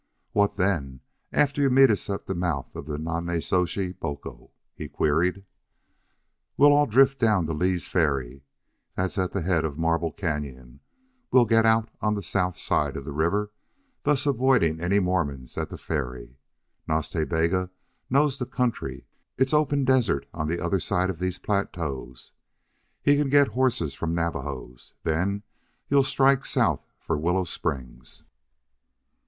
"What then after you meet us at the mouth of Nonnezoshe Boco?" he queried. "We'll all drift down to Lee's Ferry. That's at the head of Marble Cañon. We'll get out on the south side of the river, thus avoiding any Mormons at the ferry. Nas Ta Bega knows the country. It's open desert on the other side of these plateaus. He can get horses from Navajos. Then you'll strike south for Willow Springs."